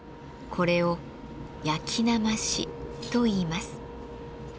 これを焼きなましといいます。